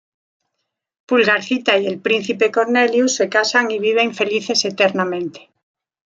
Pulgarcita y el Príncipe Cornelius se casan y viven felices eternamente.